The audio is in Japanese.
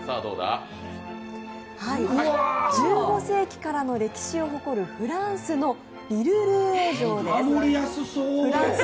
１５世紀からの歴史を誇るフランスのヴィルルーエ城です。